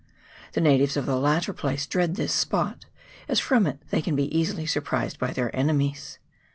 The natives of the latter place dread this spot, as from it they can be easily sur prised by their enemies.